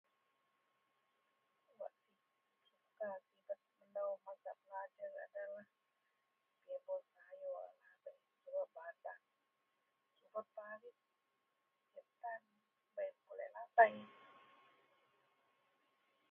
Wak senuka sibet telou masa belajer yenlah pimun sayur,.. [unintelligible] subet parit diyak tan Bei pulik lasei